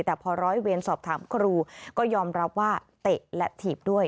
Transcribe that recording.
แต่พอร้อยเวรสอบถามครูก็ยอมรับว่าเตะและถีบด้วย